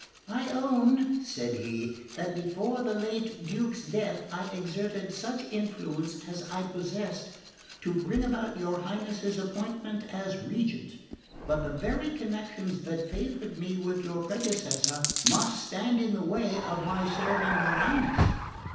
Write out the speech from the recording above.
"I own," said he, "that before the late Duke's death I exerted such influence as I possessed to bring about your Highness's appointment as regent; but the very connections that favoured me with your predecessor must stand in the way of my serving your Highness.